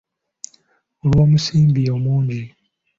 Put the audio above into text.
Olw’omusimbi omungi.